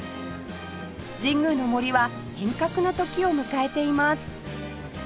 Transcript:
神宮の杜は変革の時を迎えています